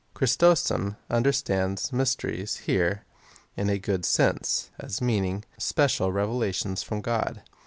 Chrysostom understands mysteries here in a good sense, as meaning — special revelations from God.